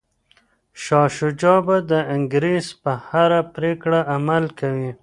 شاه شجاع به د انګریز په هره پریکړه عمل کوي.